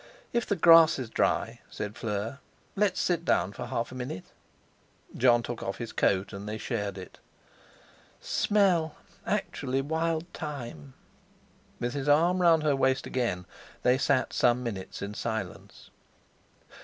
"If the grass is dry," said Fleur, "let's sit down for half a minute." Jon took off his coat, and they shared it. "Smell! Actually wild thyme!" With his arm round her waist again, they sat some minutes in silence.